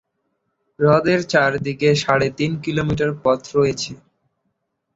হ্রদের চারদিকে সাড়ে তিন কিলোমিটার পথ রয়েছে।